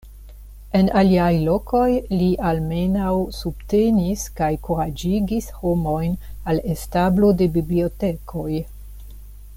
En aliaj lokoj li almenaŭ subtenis kaj kuraĝigis homojn al establo de bibliotekoj.